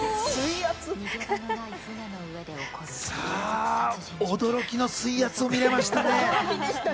さぁ、驚きの水圧も見られましたね。